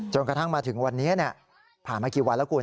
กระทั่งมาถึงวันนี้ผ่านมากี่วันแล้วคุณ